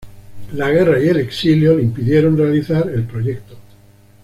La guerra y el exilio le impidieron realizar el proyecto.